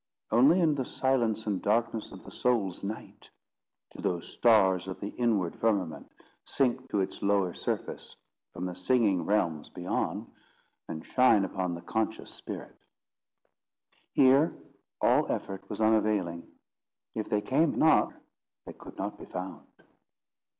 Only in the silence and darkness of the soul's night, do those stars of the inward firmament sink to its lower surface from the singing realms beyond, and shine upon the conscious spirit. Here all effort was unavailing. If they came not, they could not be found.